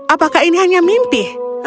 apakah ini hanya mimpi